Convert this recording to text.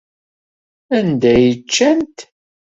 Anda ay ččant?